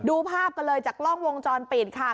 ดูภาพกันเลยจากกล้องวงจรปิดค่ะ